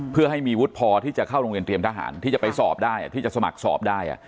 เพื่อให้มีวุฒิพอที่จะเข้าโรงเรียนเตรียมทหารที่จะไปสอบได้ที่จะสมัครสอบได้